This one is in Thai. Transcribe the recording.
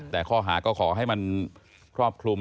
แต่ข้อหาก็ขอให้มันครอบคลุม